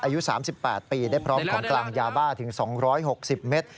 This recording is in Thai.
อายุ๓๘ปีได้พร้อมของกลางยาบ้าถึง๒๖๐เมตร